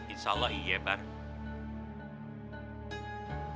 insya allah iya baru